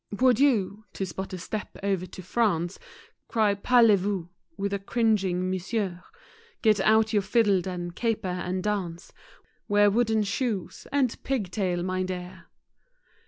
Would you—'tis but a step over to France, Cry parlez vous with a cringing Monsieur; Get out your fiddle then, caper and dance, Wear wooden shoes, and pig tail, my dear.